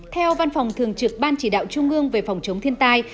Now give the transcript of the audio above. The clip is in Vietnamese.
theo văn phòng thường trực ban chỉ đạo trung ương về phòng chống thiên tai